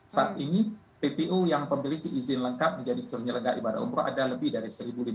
saat ini ppu yang memiliki izin lengkap menjadi penyelenggara ibadah umroh ada lebih dari satu lima ratus